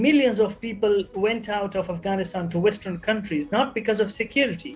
jutaan orang keluar dari afganistan ke negara barat bukan karena sekuritas